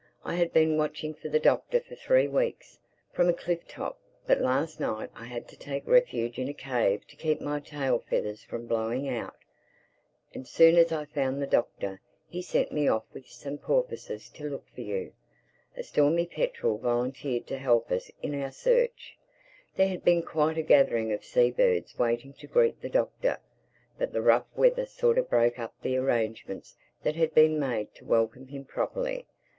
I had been watching for the Doctor for three weeks, from a cliff top; but last night I had to take refuge in a cave to keep my tail feathers from blowing out. As soon as I found the Doctor, he sent me off with some porpoises to help us in our search. There had been quite a gathering of sea birds waiting to greet the Doctor; but the rough weather sort of broke up the arrangements that had been made to welcome him properly.